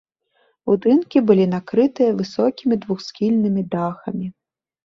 Будынкі былі накрытыя высокімі двухсхільнымі дахамі.